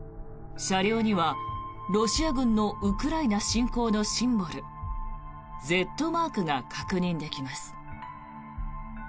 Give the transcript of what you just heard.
車両にはロシア軍のウクライナ侵攻のシンボルＺマークが確認できます。